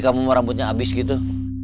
kamu rambutnya abis gitu